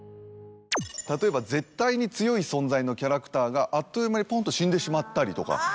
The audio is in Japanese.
例えば絶対に強い存在のキャラクターがあっという間にポンと死んでしまったりとか。